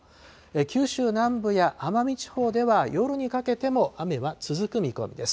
九州南部や奄美地方では、夜にかけても雨は続く見込みです。